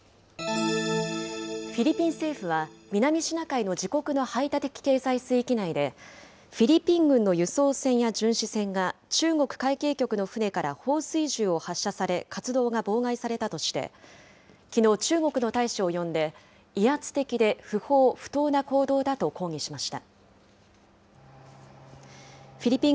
フィリピン政府は、南シナ海の自国の排他的経済水域内で、フィリピン軍の輸送船や巡視船が中国海警局の船から放水銃を発射され、活動が妨害されたとして、きのう、中国の大使を呼んで、威圧的で不法・不当な行動だと抗議しました。